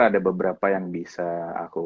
ada beberapa yang bisa aku